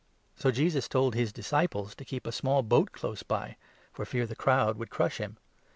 So Jesus told his dis g ciples to keep a small boat close by, for fear the crowd should crush him.